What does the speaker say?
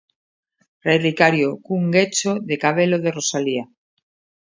Relicario cun guecho de cabelo de Rosalía.